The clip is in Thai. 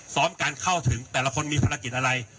การเข้าถึงแต่ละคนมีภารกิจอะไร